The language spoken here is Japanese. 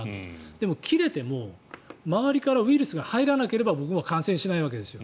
でも、切れても周りからウイルスが入らなければ僕も感染しないわけですよ。